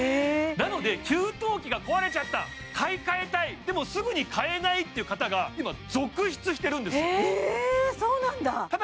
なので給湯器が壊れちゃった買い替えたいでもすぐに買えないっていう方が今続出してるんですえーっそうなんだ